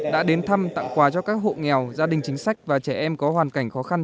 đã đến thăm tặng quà cho các hộ nghèo gia đình chính sách và trẻ em có hoàn cảnh khó khăn